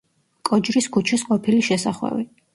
კოჯრის ქუჩის ყოფილი შესახვევი.